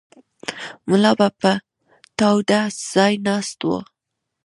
ملا به په تاوده ځای ناست و.